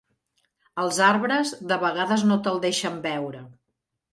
Els arbres de vegades no te'l deixen veure.